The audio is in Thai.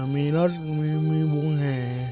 มีรถมีวงแห่